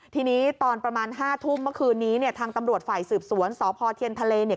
ทีนี้ตอนประมาณ๕ทุ่มเมื่อคืนนี้เนี่ยทางตำรวจฝ่ายสืบสวนสพเทียนทะเลเนี่ย